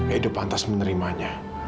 edo pantas menerimanya